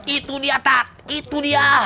itu dia tak itu dia